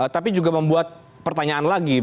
tapi juga membuat pertanyaan lagi